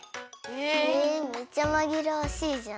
へえめっちゃまぎらわしいじゃん。